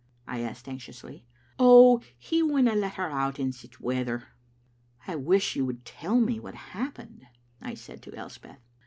I asked anxiously. "Oh, he winna let her out in sic weather." "I wish you would tell me what happened," I said to Elspeth.